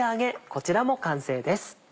こちらも完成です。